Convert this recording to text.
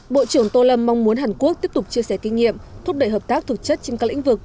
bộ trưởng tô lâm mong muốn hàn quốc tiếp tục chia sẻ kinh nghiệm thúc đẩy hợp tác thực chất trên các lĩnh vực